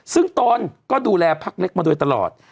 ซึ่งตนก็ดูแลพักเล็กมาโดยตลอด